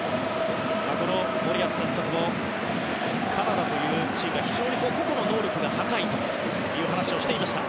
森保監督もカナダというチームは非常に個々の能力が高いという話をしていました。